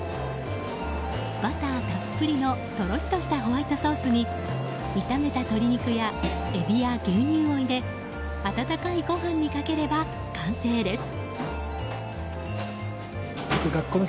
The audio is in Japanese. バターたっぷりのとろりとしたホワイトソースに炒めた鶏肉やエビや牛乳を入れ温かいご飯にかければ完成です。